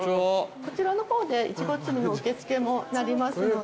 こちらの方でイチゴ摘みの受付なりますので。